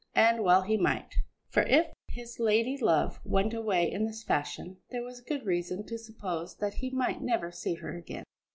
And well he might; for if his lady love went away in this fashion, there was good reason to suppose that he might never see her again.